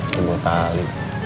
ini buat tali